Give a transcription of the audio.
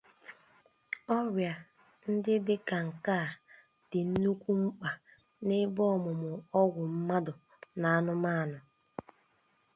Oria ndị dị ka nke a dị nnukwu mkpa n'ebe ọmụmụ ọgwụ mmadụ na anụmanụ.